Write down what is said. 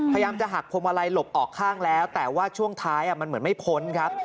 พยายามจะหักพวงมาลัยหลบออกข้างแล้วแต่ว่าช่วงท้ายมันเหมือนไม่พ้นครับ